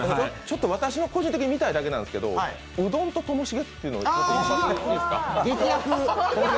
私、個人的に見たいだけなんですけどうどんとともしげっていうのいいですか？